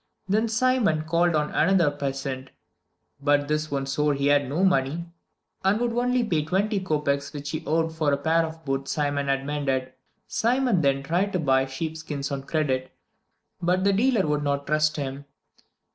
Then Simon called on another peasant, but this one swore he had no money, and would only pay twenty kopeks which he owed for a pair of boots Simon had mended. Simon then tried to buy the sheep skins on credit, but the dealer would not trust him.